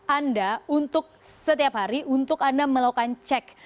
anda untuk setiap hari untuk anda melakukan cek